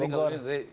nah ini kalau ini rek